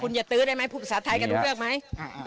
คุณอย่าตื้อได้ไหมภูมิศาสตร์ไทยก็รู้เรื่องไหม